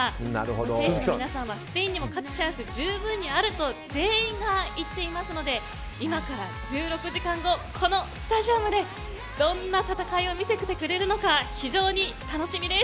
選手の皆さんはスペインにも勝つチャンスが十分にあると全員が言っていますので今から１６時間後このスタジアムでどんな戦いを見せてくれるのか非常に楽しみです！